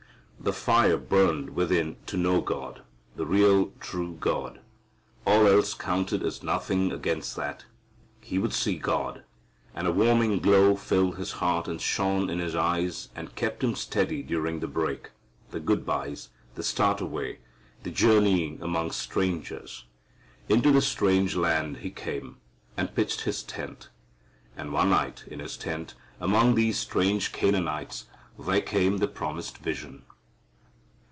The fire burned within to know God, the real true God. All else counted as nothing against that. He would see God. And a warming glow filled his heart and shone in his eyes and kept him steady during the break, the good byes, the start away, the journeying among strangers. Into the strange land he came, and pitched his tent. And one night in his tent among these strange Canaanites, there came the promised vision.